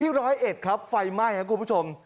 ที่๑๐๑ครับไฟไหม้ครับคุณผู้ชม